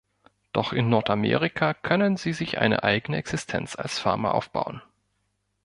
Doch in Nordamerika können sie sich eine eigene Existenz als Farmer aufbauen.